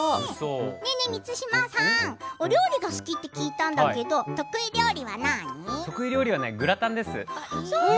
満島さん、お料理が好きって得意料理はグラタンです。